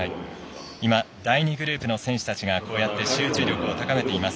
今第２グループの選手たちがこうやって集中力を高めています。